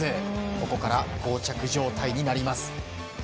ここから膠着状態になります。